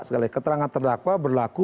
sekalian keterangan terdakwa berlaku